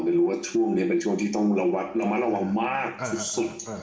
จะรู้ว่าช่วงนี้เป็นช่วงที่ต้องระวังมากที่สุด